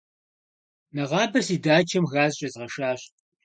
Нэгъабэ си дачэм газ щӏезгъэшащ.